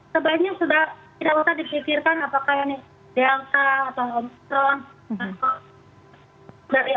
sebenarnya sudah tidak usah dipikirkan apakah ini delta atau omikron